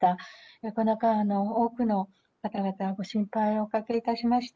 なかなか多くの方々、ご心配をおかけいたしました。